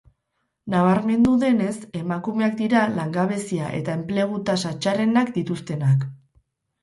Nabarmendu duenez, emakumeak dira langabezia eta enplegu tasa txarrenak dituztenak.